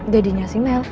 dadinya si mel